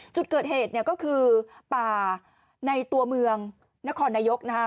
จุดเกิดเหตุก็คือบ่าในตัวเมืองนครนายก